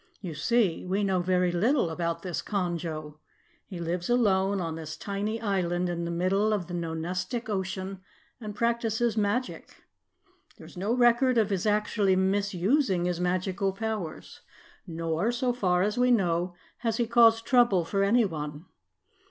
"You see, we know very little about this Conjo. He lives alone on this tiny island in the middle of the Nonestic Ocean and practices magic. There is no record of his actually misusing his magical powers. Nor, so far as we know, has he caused trouble for anyone.